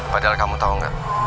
padahal kamu tau gak